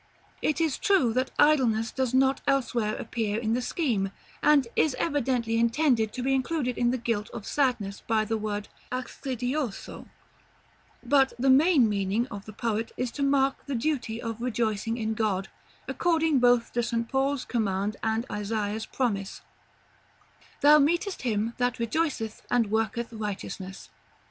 It is true that Idleness does not elsewhere appear in the scheme, and is evidently intended to be included in the guilt of sadness by the word "accidioso;" but the main meaning of the poet is to mark the duty of rejoicing in God, according both to St. Paul's command, and Isaiah's promise, "Thou meetest him that rejoiceth and worketh righteousness."